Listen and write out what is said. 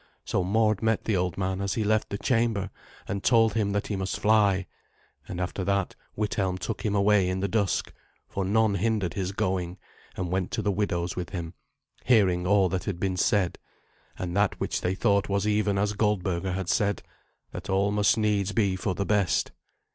So Mord met the old man as he left the chamber, and told him that he must fly; and after that Withelm took him away in the dusk, for none hindered his going, and went to the widow's with him, hearing all that had been said; and that which they thought was even as Goldberga had said, that all must needs be for the best.